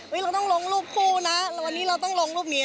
เราต้องลงรูปคู่นะแล้ววันนี้เราต้องลงรูปนี้